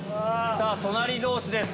隣同士です